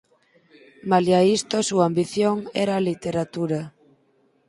Malia isto a súa ambición era a literatura.